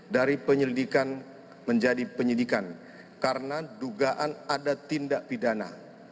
dari penyelidikan menjadi penyidikan karena dugaan ada tindak pidana